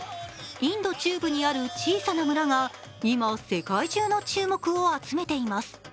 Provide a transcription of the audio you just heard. インド中部にある小さな村が今、世界中の注目を集めています。